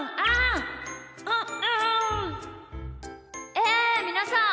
えみなさん